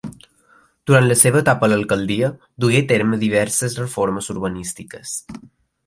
Durant la seva etapa a l'alcaldia, dugué a terme diverses reformes urbanístiques.